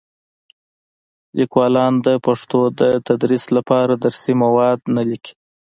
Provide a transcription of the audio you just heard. لیکوالان د پښتو د تدریس لپاره درسي مواد نه لیکي.